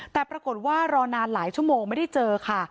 แต่ปรากฏว่ารอนานหลายชั่วโมงไม่ได้เจอค่ะ